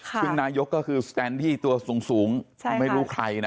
ซึ่งนายกก็คือสแตนที่ตัวสูงไม่รู้ใครนะ